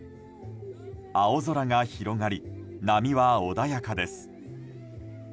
青空が広がり、波は穏やかです。